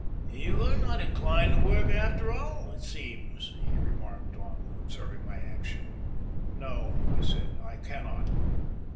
"You are not inclined to work after all, it seems," he remarked, on observing my action. "No," I said, "I cannot."